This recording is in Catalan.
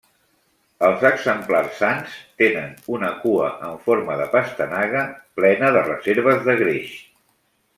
Els exemplars sans tenen una cua en forma de pastanaga, plena de reserves de greix.